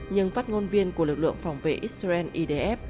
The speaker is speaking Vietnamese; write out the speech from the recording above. nhưng phát ngôn viên của lực lượng phòng vệ israel idf